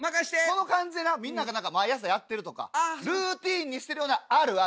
この感じでなみんなが毎朝やってるとかルーティンにしてるようなあるある。